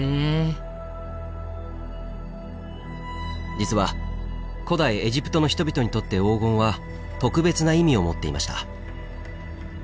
実は古代エジプトの人々にとって黄金は特別な意味を持っていました。